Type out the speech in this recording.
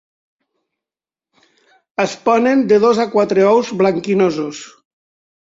Es ponen de dos a quatre ous blanquinosos.